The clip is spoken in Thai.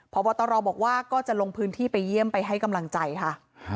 พบตรบอกว่าก็จะลงพื้นที่ไปเยี่ยมไปให้กำลังใจค่ะ